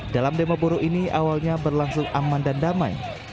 dalam demo buruh ini awalnya berlangsung aman dan damai